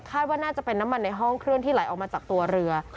ว่าน่าจะเป็นน้ำมันในห้องเครื่องที่ไหลออกมาจากตัวเรือ